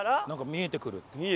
見えてくる。